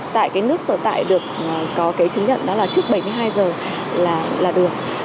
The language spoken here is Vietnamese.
tại cái nước sở tại được có cái chứng nhận đó là trước bảy mươi hai giờ là được